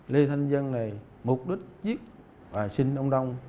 lê thanh vân này mục đích giết bà sinh ông đông